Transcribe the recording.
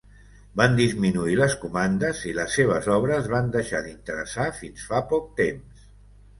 Van disminuir les comandes i les seves obres van deixar d'interessar fins fa poc temps.